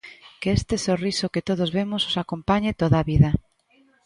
Que este sorriso que todos vemos os acompañe toda a vida.